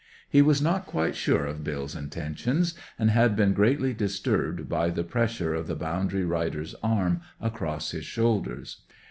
He was not quite sure of Bill's intentions, and had been greatly disturbed by the pressure of the boundary rider's arm across his shoulders.